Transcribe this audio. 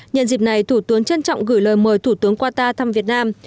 nhân dịp này thủ tướng trân trọng gửi lời mời thủ tướng qua ta thăm việt nam